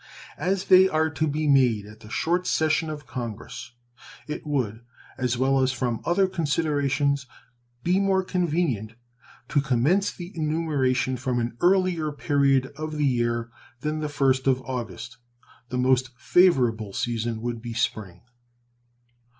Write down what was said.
As they are to be made at the short session of Congress, it would, as well as from other considerations, be more convenient to commence the enumeration from an earlier period of the year than the first of August. The most favorable season would be the spring.